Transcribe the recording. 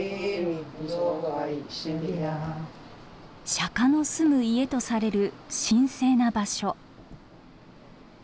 「釈の住む家」とされる神聖な場所。